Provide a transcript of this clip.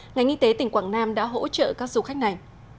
ngành y tế tỉnh quảng nam đã hỗ trợ các du khách này